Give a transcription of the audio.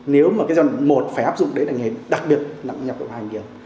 nếu một phải áp dụng đến ngành nghề đặc biệt nặng nhập độc hại nguy hiểm